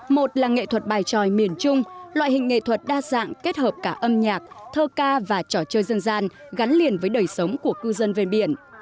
một là nghệ thuật bài tròi miền trung loại hình nghệ thuật đa dạng kết hợp cả âm nhạc thơ ca và trò chơi dân gian gắn liền với đời sống của cư dân ven biển